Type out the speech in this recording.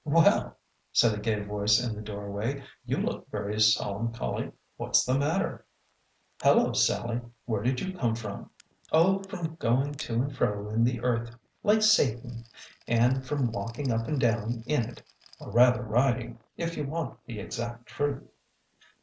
" Well !" said a gay voice in the doorway, " you look very solemncholy ! What 's the matter ?"" Hello, Sallie ! Where did you come from ?"" Oh, ' from going to and fro in the earth,' like Satan, and ' from walking up and down in it,'— or rather riding, if you want the exact truth."